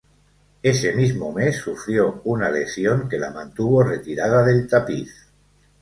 Ese mismo mes sufrió una lesión que la mantuvo retirada del tapiz.